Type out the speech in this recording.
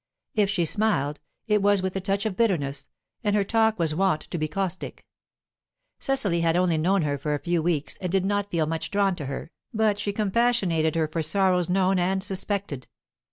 If she smiled, it was with a touch of bitterness, and her talk was wont to be caustic. Cecily had only known her for a few weeks, and did not feel much drawn to her, but she compassionated her for sorrows known and suspected.